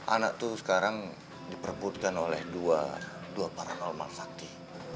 anak itu sekarang diperbutkan oleh dua paranomal sakti